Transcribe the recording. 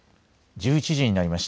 １１時になりました。